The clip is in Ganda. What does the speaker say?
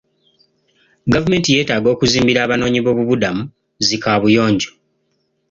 Gavumenti yeetaaga okuzimbira abanoonyi b'obubudamu zi kaabuyonjo.